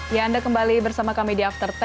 ya anda kembali bersama kami di after sepuluh